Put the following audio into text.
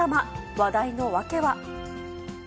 話題の訳は。